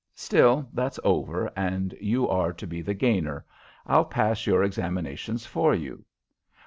Still, that's over, and you are to be the gainer. _I'll pass your examinations for you.